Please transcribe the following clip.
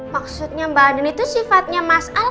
maksudnya mbak andi tuh sifatnya mas al